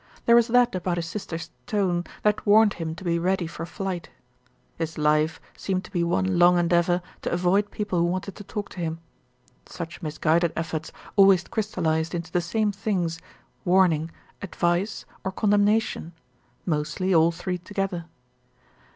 There was that about his sister's tone that warned him to be ready for flight. His life seemed to be one. long endeavour to avoid people who wanted to talk to him. Such misguided efforts always crystallised into the same things, warn ing, advice, or condemnation, mostly all three together.